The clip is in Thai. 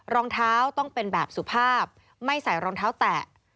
รองเท้าต้องเป็นแบบสุภาพไม่ใส่รองเท้าแตะ